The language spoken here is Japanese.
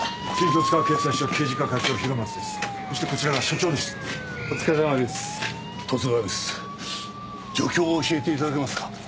状況を教えて頂けますか？